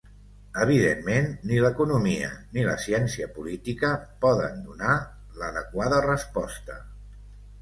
Evidentment ni l’economia ni la ciència política poden donar l’adequada resposta.